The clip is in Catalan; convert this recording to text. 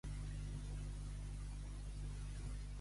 La núvia, segura, i el dot, en paraules.